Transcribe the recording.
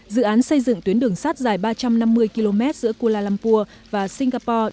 dự án xây dựng tuyến đường sắt dài ba trăm năm mươi km giữa kuala lumpur và singapore